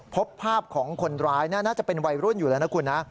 พบภาพของคนร้ายน่าจะเป็นวัยรุ่นอยู่แล้วนะคุณนะ